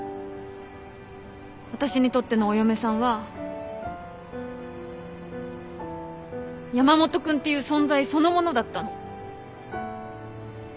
私にとってのお嫁さんは山本君っていう存在そのものだったの。